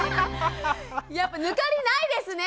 やっぱ抜かりないですね。